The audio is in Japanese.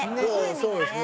そうですね。